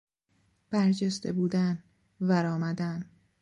برجسته بودن، ورآمدن